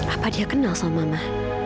apa dia kenal sama mama